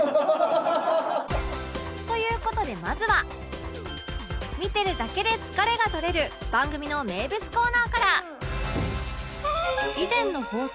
という事でまずは見てるだけで疲れが取れる番組の名物コーナーから